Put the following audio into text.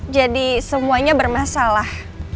jadi semuanya bermasalah